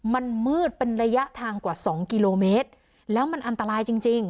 มันมืดเป็นระยะทางกว่าสองกิโลเมตรแล้วมันอันตรายจริงจริง